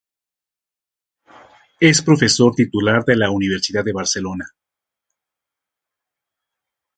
Es profesor titular de la Universidad de Barcelona.